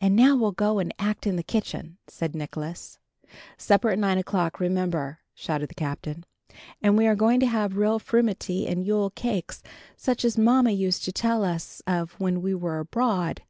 "And now we'll go and act in the kitchen," said Nicholas. "Supper at nine o'clock, remember," shouted the Captain. "And we are going to have real frumenty and Yule cakes, such as mamma used to tell us of when we were abroad."